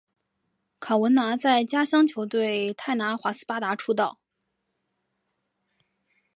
卡文拿在家乡球队泰拿华斯巴达出道。